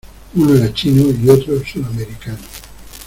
uno era chino y otro sudamericano.